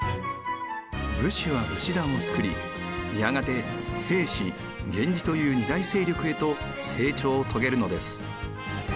武士は武士団を作りやがて平氏源氏という２大勢力へと成長を遂げるのです。